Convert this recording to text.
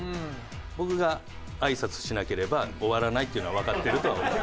僕があいさつしなければ終わらないっていうのはわかってるとは思う。